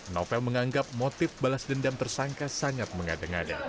novel menganggap motif balas dendam tersangka sangat mengada ngada